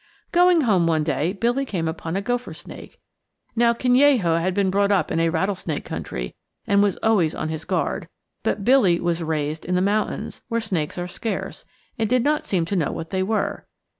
Going home one day, Billy came upon a gopher snake. Now Canello had been brought up in a rattlesnake country, and was always on his guard, but Billy was 'raised' in the mountains, where snakes are scarce, and did not seem to know what they were.